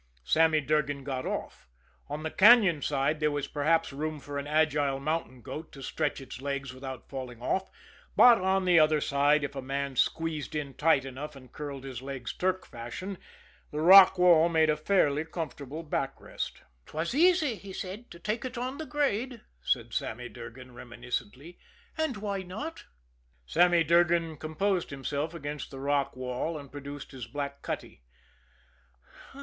Sammy Durgan got off. On the cañon side there was perhaps room for an agile mountain goat to stretch its legs without falling off; but on the other side, if a man squeezed in tight enough and curled his legs Turk fashion, the rock wall made a fairly comfortable backrest. "'Twas easy, he said, to take it on the grade," said Sammy Durgan reminiscently. "And why not?" Sammy Durgan composed himself against the rock wall, and produced his black cutty.